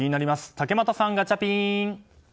竹俣さん、ガチャピン！